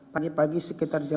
pagi pagi sekitar jam tiga